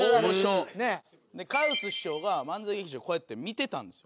カウス師匠が漫才劇場でこうやって見てたんですよ。